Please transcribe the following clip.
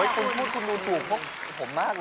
คุณพูดถูกเพราะผมมากเลย